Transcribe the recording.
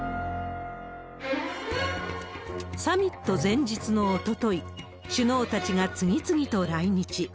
サミット前日のおととい、首脳たちが次々と来日。